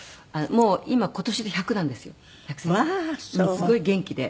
すごい元気で。